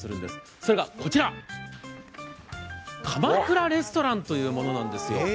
それがこちら、かまくらレストランというものなんですよ。